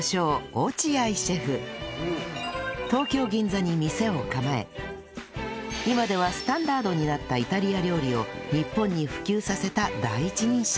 東京銀座に店を構え今ではスタンダードになったイタリア料理を日本に普及させた第一人者